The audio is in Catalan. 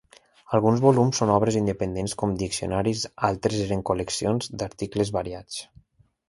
Alguns volums són obres independents com diccionaris, altres eren col·leccions d'articles variats.